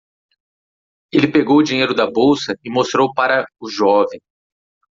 Ele pegou o dinheiro da bolsa e mostrou para o jovem.